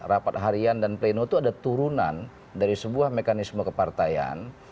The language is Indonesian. rapat harian dan pleno itu ada turunan dari sebuah mekanisme kepartaian